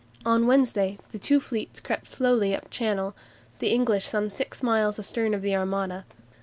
On the Wednesday the two fleets crept slowly up Channel, the English some six miles astern of the Armada.